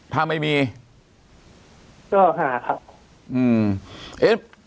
ถ้าไม่มีก็หาครับ